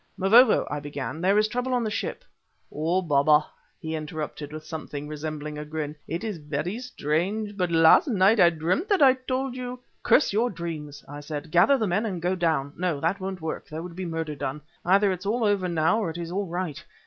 "Mavovo," I began, "there is trouble on the ship " "O Baba," he interrupted with something resembling a grin, "it is very strange, but last night I dreamed that I told you " "Curse your dreams," I said. "Gather the men and go down no, that won't work, there would be murder done. Either it is all over now or it is all right.